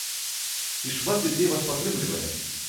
Ці шмат людзей вас падтрымлівае?